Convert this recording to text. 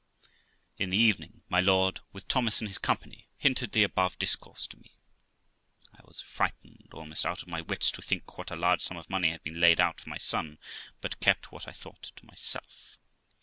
In the evening, my lord, with Thomas in his company, hinted the above discourse to me. I was frightened almost out of my wits to think what a large sum of money had been laid out for my son, but kept what I thought to myself.